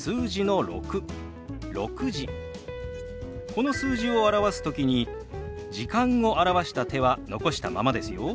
この数字を表す時に「時間」を表した手は残したままですよ。